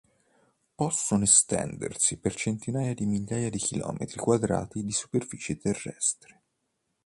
Possono estendersi per centinaia di migliaia di chilometri quadrati di superficie terrestre.